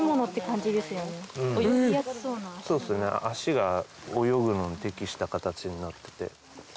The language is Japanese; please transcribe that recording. そうですね脚が泳ぐのに適した形になってて。